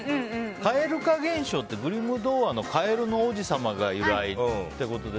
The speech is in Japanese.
蛙化現象ってグリム童話の「カエルの王子様」が由来ってことで。